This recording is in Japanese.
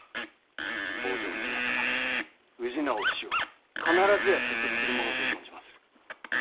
北条氏政氏直父子を必ずや説得するものと存じまする。